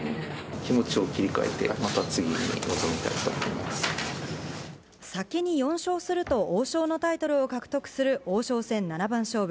気持ちを切り替えて、先に４勝すると王将のタイトルを獲得する、王将戦七番勝負。